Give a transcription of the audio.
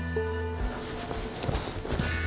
行きます。